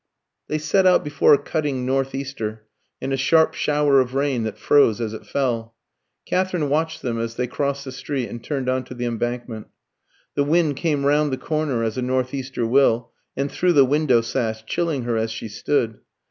They set out before a cutting north easter and a sharp shower of rain that froze as it fell. Katherine watched them as they crossed the street and turned on to the Embankment. The wind came round the corner, as a north easter will, and through the window sash, chilling her as she stood.